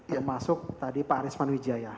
termasuk tadi pak arisman wijaya